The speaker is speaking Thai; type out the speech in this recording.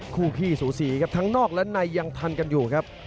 คู่พี่สูสีครับทั้งนอกและในยังพันกันอยู่ครับ